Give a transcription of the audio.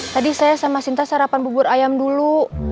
tadi saya sama sinta sarapan bubur ayam dulu